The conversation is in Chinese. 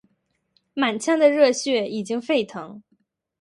满腔的热血已经沸腾，